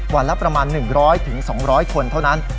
วันละประมาณ๑๐๐๒๐๐คนเท่านั้น